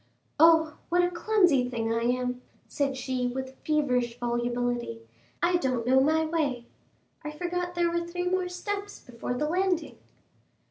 "Oh, what a clumsy thing I am," said she with feverish volubility; "I don't know my way. I forgot there were three more steps before the landing."